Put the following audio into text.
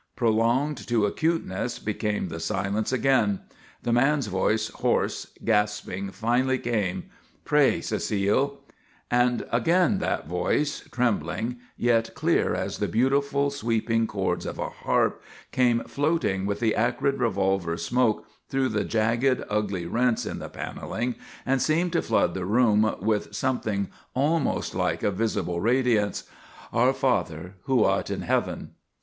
Prolonged to acuteness became the silence again; the man's voice, hoarse, gasping, finally came: "Pray, Cecile." And again that voice, trembling, yet clear as the beautiful sweeping chords of a harp, came floating with the acrid revolver smoke through the jagged, ugly rents in the panelling, and seemed to flood the room with something almost like a visible radiance: "_Our Father, who art in heaven!